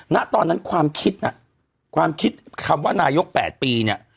ณตอนนั้นความคิดน่ะความคิดคำว่านายก๘ปีเนี่ย